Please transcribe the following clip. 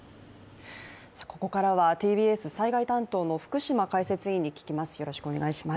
ここからはＴＢＳ災害担当の福島解説委員に聞きます。